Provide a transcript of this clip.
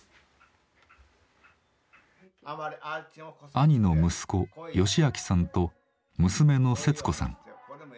兄の息子良明さんと娘の節子さん。